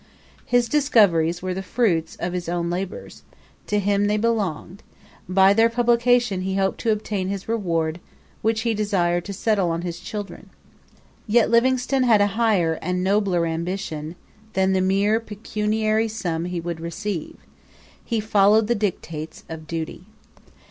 His discoveries were the fruits of of his own labours to him they belonged by their publication he hoped to obtain his reward, which he desired to settle on his children. Yet Livingstone had a higher and nobler ambition than the mere pecuniary sum he would receive: he followed the dictates of duty.